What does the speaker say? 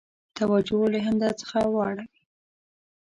توجه له هند څخه واړوي.